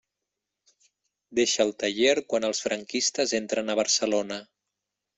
Deixa el taller quan els franquistes entren a Barcelona.